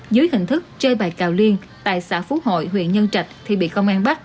dưới hình thức chơi bài cào liên tại xã phú hội huyện nhân trạch thì bị công an bắt